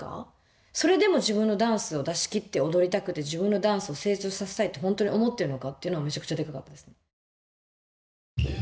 それでも自分のダンスを出し切って踊りたくて自分のダンスを成長させたいって本当に思ってるのかっていうのがめちゃくちゃでかかったですね。